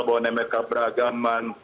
bahwa nemerka beragaman